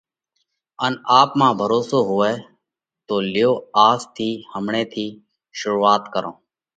ان آپ مانه ڀروسو هوئہ۔ تو ليو آز ٿِي، همڻئہ ٿِي شرُوعات ڪرو۔